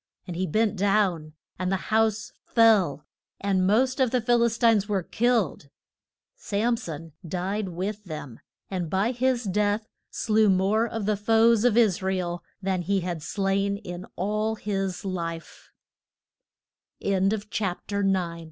And he bent down, and the house fell, and most of the Phil is tines were killed. Sam son died with them, and by his death slew more of the foes of Is ra el than he had slai